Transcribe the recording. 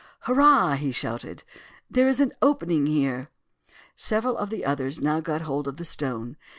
"Hurrah!" he shouted, "there is an opening here." Several of the others now got hold of the stone.